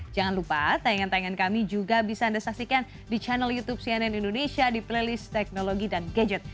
jangan lupa tayangan tayangan kami juga bisa anda saksikan di channel youtube cnn indonesia di playlist teknologi dan gadget